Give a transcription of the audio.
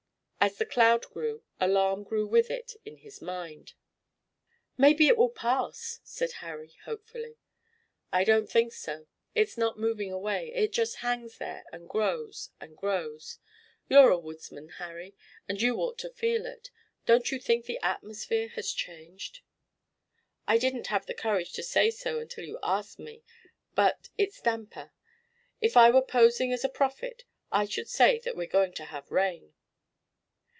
As the cloud grew alarm grew with it in his mind. "Maybe it will pass," said Harry hopefully. "I don't think so. It's not moving away. It just hangs there and grows and grows. You're a woodsman, Harry, and you ought to feel it. Don't you think the atmosphere has changed?" "I didn't have the courage to say so until you asked me, but it's damper. If I were posing as a prophet I should say that we're going to have rain."